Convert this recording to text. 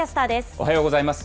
おはようございます。